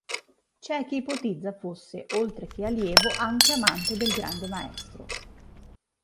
C'è chi ipotizza fosse, oltre che allievo, anche amante del grande maestro.